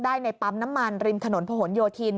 ในปั๊มน้ำมันริมถนนผนโยธิน